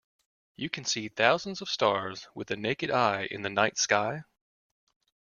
You can see thousands of stars with the naked eye in the night sky?